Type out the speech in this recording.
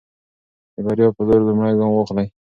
د بریا په لور لومړی ګام واخلئ.